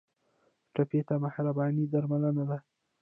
ټپي ته مهرباني درملنه ده.